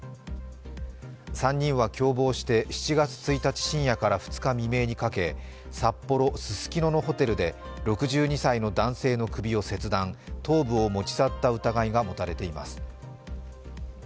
３人は共謀して、７月１日深夜から２日未明にかけ札幌・ススキノのホテルで６２歳の男性の首を切断、頭部を持ち去った疑いが持たれています。